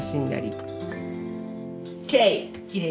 きれい！